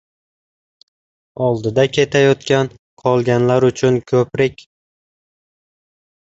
• Oldida ketayotgan — qolganlar uchun ko‘prik.